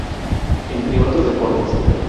Entre otros deportes